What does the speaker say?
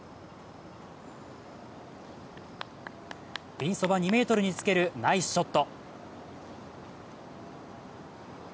ピンそば２ｍにつけるナイスショット。